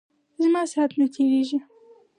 زما سات نه تیریژی.